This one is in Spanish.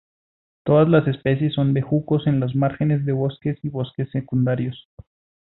Todas las especies son bejucos en los márgenes de bosques y bosques secundarios.